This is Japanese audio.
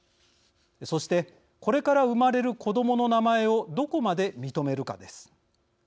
そして、これから生まれる子どもの名前をどこまで認めるかです。